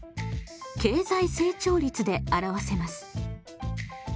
経済成長率で表せます。